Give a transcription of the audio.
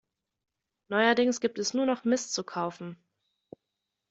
Neuerdings gibt es nur noch Mist zu kaufen.